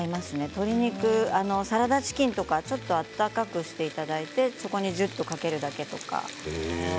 鶏肉、サラダチキンとかちょっと温かくしていただいてそこにじゅっとかけるだけとか。